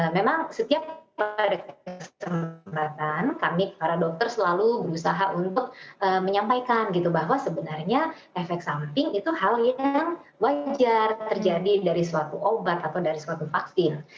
memang setiap pada kesempatan kami para dokter selalu berusaha untuk menyampaikan gitu bahwa sebenarnya efek samping itu hal yang wajar terjadi dari suatu obat atau dari suatu vaksin